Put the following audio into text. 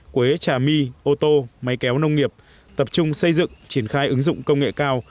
quế trà my ô tô máy kéo nông nghiệp tập trung xây dựng triển khai ứng dụng công nghệ cao